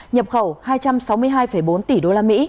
nhập khẩu hai trăm sáu mươi hai bốn tỷ usd